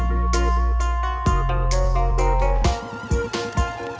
tapi sebenarnya ada yanginee e turnsara ukum